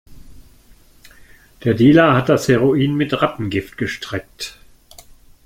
Der Dealer hat das Heroin mit Rattengift gestreckt.